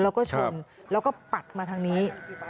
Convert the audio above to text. เราก็ชนเราก็ปัดมาทางนี้